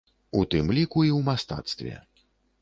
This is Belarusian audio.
У тым ліку і ў мастацтве.